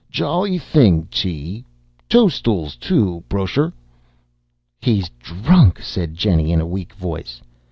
"Jol' thing, tea. Tose stools, too. Brosher." "He's drunk," said Jennie in a weak voice.